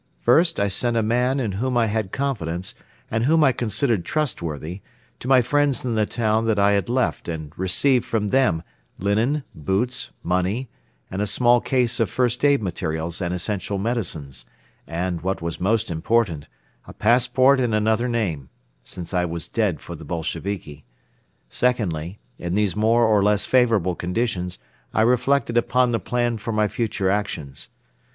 First, I sent a man in whom I had confidence and whom I considered trustworthy to my friends in the town that I had left and received from them linen, boots, money and a small case of first aid materials and essential medicines, and, what was most important, a passport in another name, since I was dead for the Bolsheviki. Secondly, in these more or less favorable conditions I reflected upon the plan for my future actions.